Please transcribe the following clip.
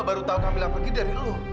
gua baru tau camilla pergi dari lo